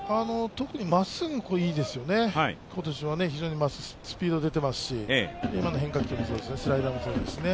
特にまっすぐがいいですよね、今年は非常にスピードも出ていますし今の変化球もそうですね、スライダーもそうですね。